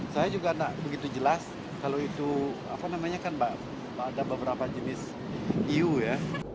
saya juga tidak begitu jelas kalau itu apa namanya kan ada beberapa jenis eu ya